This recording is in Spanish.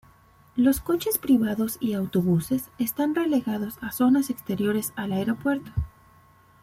Los coches privados y autobuses están relegados a zonas exteriores al aeropuerto.